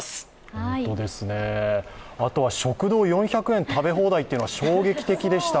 あとは食堂４００円で食べ放題というのは衝撃的でしたが。